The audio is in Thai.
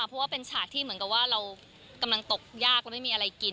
เพราะว่าเป็นฉากที่เหมือนกับว่าเรากำลังตกยากเราไม่มีอะไรกิน